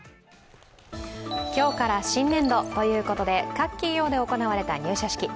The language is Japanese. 今日から新年度ということで、各企業で行われた入社式。